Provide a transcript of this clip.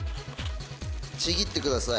「ちぎってください。